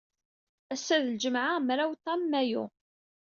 Ass-a d ljemɛa, mraw tam Mayu.